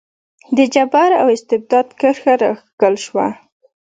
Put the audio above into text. د جبر او استبداد کرښه راښکل شوه.